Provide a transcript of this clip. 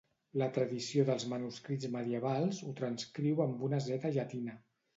La tradició dels manuscrits medievals ho transcriu amb una Z llatina.